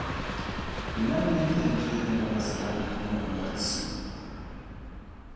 Finalmente, Jaden logra cerrar la tumba del Lord Sith.